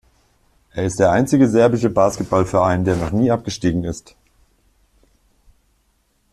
Er ist der einzige serbische Basketballverein, der noch nie abgestiegen ist.